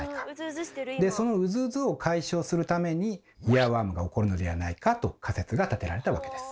そのウズウズを解消するためにイヤーワームが起こるのではないかと仮説が立てられたわけです。